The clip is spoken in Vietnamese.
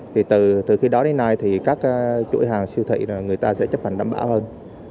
thì từ khi đó đến nay thì các chuỗi hàng siêu thị người ta sẽ chấp hành đảm bảo hơn